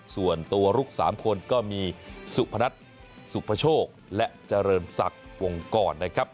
ส่วนตัวลุก๓คนก็มีสุพนัทสุพโชคและเจริญศักดิ์วงกรนะครับ